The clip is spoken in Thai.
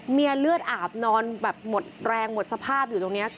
เลือดอาบนอนแบบหมดแรงหมดสภาพอยู่ตรงนี้